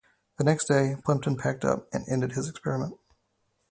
The next day Plimpton packed up and ended his experiment.